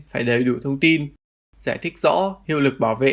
phải đầy đủ thông tin sẽ thích rõ hiệu lực bảo vệ